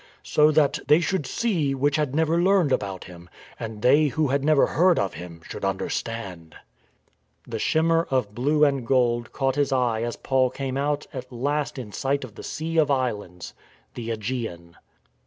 So that "They should see which had never learned about Him, \ And they who had never heard of Him should understand."* The shimmer of blue and gold caught his eye as Paul came out at last in sight of the Sea of Islands, — the ^gean.